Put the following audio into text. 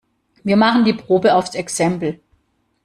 Wir machen die Probe aufs Exempel.